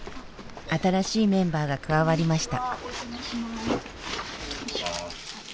新しいメンバーが加わりました。